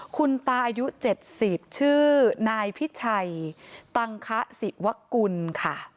คุณตาอายุ๗๐ชื่อนายพิชัยตังคศิวกุลค่ะ